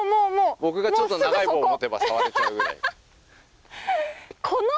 僕がちょっと長い棒を持てば触れちゃうぐらい。